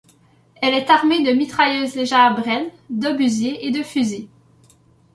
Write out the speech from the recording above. Elle est armée de mitrailleuses légères Bren, d'obusiers et de fusils.